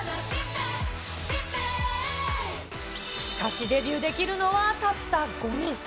しかし、デビューできるのは、たった５人。